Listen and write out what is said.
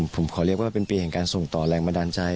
ผมขอเรียกว่าเป็นปีแห่งการส่งต่อแรงบันดาลใจ